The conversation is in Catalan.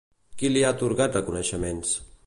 Qui li ha atorgat reconeixements?